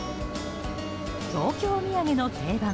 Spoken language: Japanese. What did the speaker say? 東京土産の定番